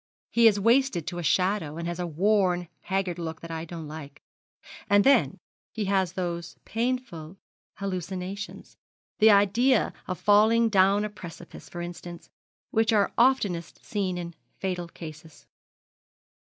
He is wasted to a shadow, and has a worn, haggard look that I don't like. And then he has those painful hallucinations that idea of falling down a precipice, for instance, which are oftenest seen in fatal cases.'